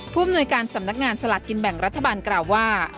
ผู้อำนวยการสำนักงานสลากกินแบ่งรัฐบาลกล่าวว่า